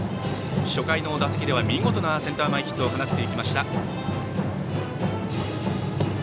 初回の打席では見事なセンター前ヒットを放っていきました